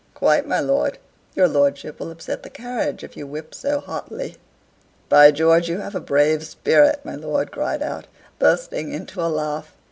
"Quite, my lord: your lordship will upset the carriage if you whip so hotly." "By George, you have a brave spirit!" my lord cried out, bursting into a laugh.